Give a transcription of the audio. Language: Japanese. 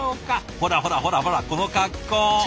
ほらほらほらほらこの格好。